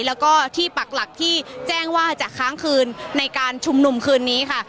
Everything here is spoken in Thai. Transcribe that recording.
แล้วก็ที่ปักหลักที่แจ้งว่าจะค้างคืนในการชุมนุมคืนนี้ค่ะ